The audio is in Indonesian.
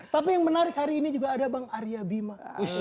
tapi yang menarik hari ini juga ada bang arya bima